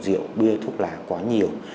rượu bia thuốc lá quá nhiều